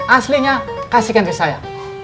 aslinya kasihkan ke saya